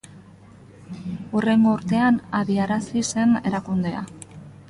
Hurrengo urtean abiarazi zen erakundea.